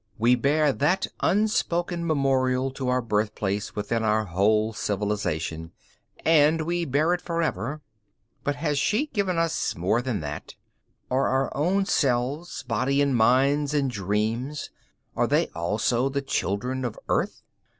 We bear that unspoken memorial to our birthplace within our whole civilization, and will bear it forever. But has she given us more than that? Are our own selves, bodies and minds and dreams, are they also the children of Earth?